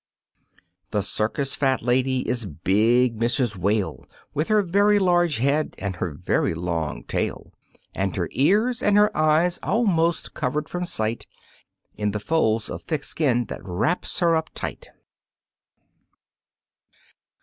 The circus fat lady is big Mrs. Whale With her very large head and her very long tail, And her ears and her eyes almost covered from sight In the folds of thick skin that wraps her up tight.